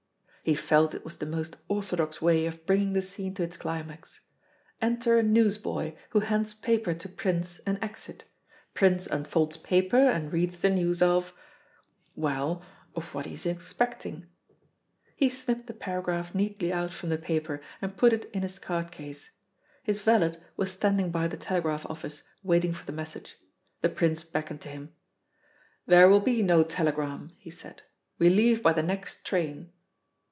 He felt it was the most orthodox way of bringing the scene to its climax. Enter a newsboy, who hands paper to Prince, and exit. Prince unfolds paper and reads the news of well, of what he is expecting. He snipped the paragraph neatly out from the paper, and put it in his card case. His valet was standing by the telegraph office, waiting for the message. The Prince beckoned to him. "There will be no telegram," he said. "We leave by the next train."